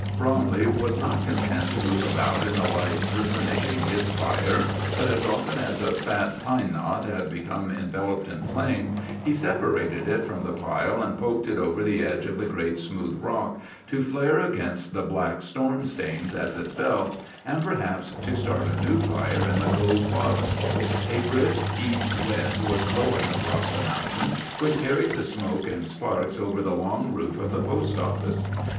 Bromley was not content to move about in the light replenishing his fire, but, as often as a fat pine knot had become enveloped in flame, he separated it from the pile and poked it over the edge of the great smooth rock, to flare against the black storm stains as it fell, and perhaps to start a new fire in the Cove bottom. A brisk east wind was blowing across the mountain, which carried the smoke and sparks over the long roof of the post office.